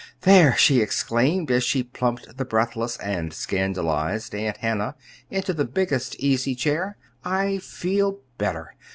"There!" she exclaimed, as she plumped the breathless and scandalized Aunt Hannah into the biggest easy chair. "I feel better.